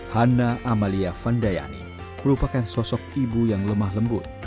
hana amalia vandayani merupakan sosok ibu yang lemah lembut